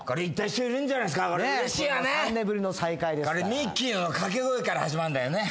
ミッキーの掛け声から始まるんだよね。